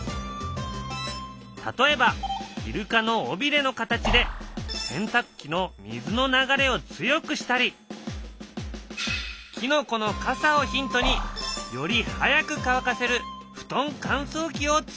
例えばイルカの尾びれの形で洗たく機の水の流れを強くしたりキノコのかさをヒントにより早く乾かせる布団かんそう機をつくったりした。